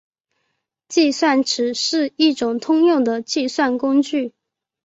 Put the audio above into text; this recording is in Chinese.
计算尺是一种通用的计算工具。